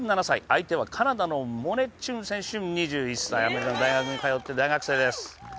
相手はカナダのモネ・チュン選手２１歳、アメリカの大学に通っている大学生です。